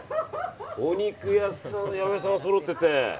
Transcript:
お肉屋さん、八百屋さんがそろってて。